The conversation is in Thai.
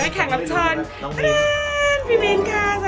แขกรับชนน้องมิ้นพี่มิ้นค่ะสวัสดีค่ะ